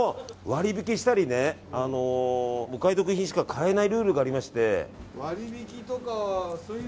割引したりお買い得品しか買えないルールがありまして。